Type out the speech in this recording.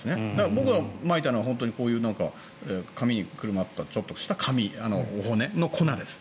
僕がまいたのはこういう紙にくるまったちょっとしたお骨の粉です。